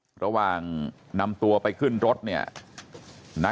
ลูกสาวหลายครั้งแล้วว่าไม่ได้คุยกับแจ๊บเลยลองฟังนะคะ